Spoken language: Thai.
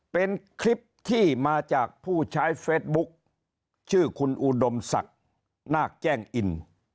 เป็นคลิปที่มาจากผู้ใช้เฟสบุ๊คชื่อคุณอุดมศักดิ์นาคแจ้งอิน